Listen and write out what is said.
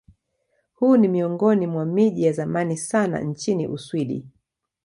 Huu ni miongoni mwa miji ya zamani sana nchini Uswidi.